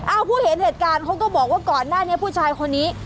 ผู้เห็นเหตุการณ์เขาก็บอกว่าก่อนหน้านี้ผู้ชายคนนี้